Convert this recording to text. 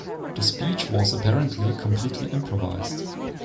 The speech was apparently completely improvised.